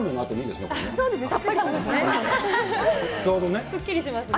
すっきりしますね。